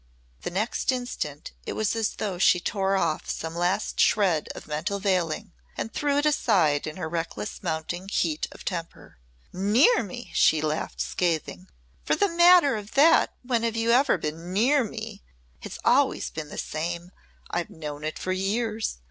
The next instant it was as though she tore off some last shred of mental veiling and threw it aside in her reckless mounting heat of temper. "Near me!" she laughed scathingly, "For the matter of that when have you ever been near me? It's always been the same. I've known it for years.